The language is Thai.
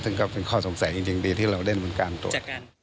ซึ่งก็เป็นข้อสงสัยจริงดีที่เราได้เหมือนการตรวจ